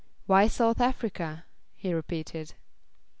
"Why South Africa?" he repeated.